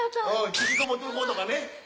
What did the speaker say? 引きこもってる子とかね